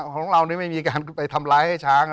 ของเรานี่ไม่มีการไปทำร้ายให้ช้าง